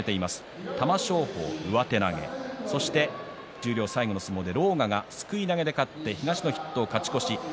十両最後の相撲で狼雅がすくい投げで勝って東の筆頭勝ち越し。